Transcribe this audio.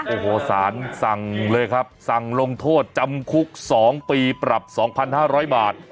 โอ้โหสารสั่งเลยครับสั่งลงโทษจำคุก๒ปีปรับ๒๕๐๐บาท